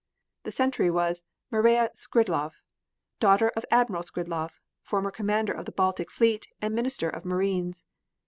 The sentry was Mareya Skridlov, daughter of Admiral Skridlov, former commander of the Baltic fleet and Minister of Marines.